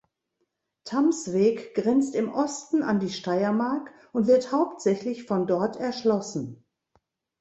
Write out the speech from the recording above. Tamsweg grenzt im Osten an die Steiermark, und wird hauptsächlich von dort erschlossen.